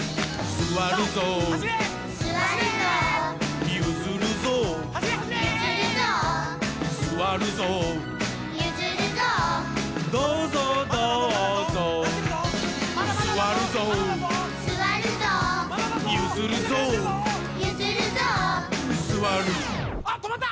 「すわるぞう」「どうぞうどうぞう」「すわるぞう」「ゆずるぞう」「すわる」あっとまった！